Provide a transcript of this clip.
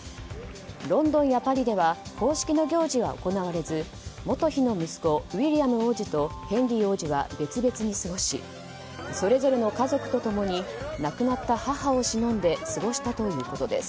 ロンドンやパリでは公式の行事は行われず元妃の息子、ウィリアム王子とヘンリー王子は別々に過ごしそれぞれの家族と共に亡くなった母をしのんで過ごしたということです。